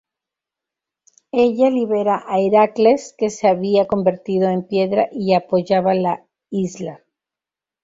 Ella libera a Heracles, que se había convertido en piedra y apoyaba la isla.